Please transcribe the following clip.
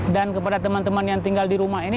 dan kepada teman teman yang tinggal di rumah ini